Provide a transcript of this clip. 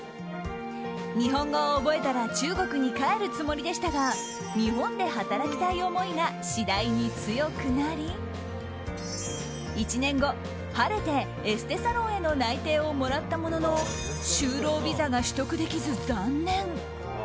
日本語を覚えたら中国に帰るつもりでしたが日本で働きたい思いが次第に強くなり１年後、晴れてエステサロンへの内定をもらったものの就労ビザが取得できず、断念。